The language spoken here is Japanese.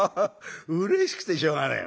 うれしくてしょうがねえ」。